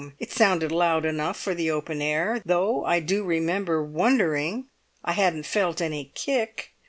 It sounded loud enough for the open air, though I do remember wondering I hadn't felt any kick.